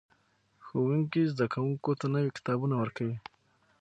ښوونکي زده کوونکو ته نوي کتابونه ورکوي.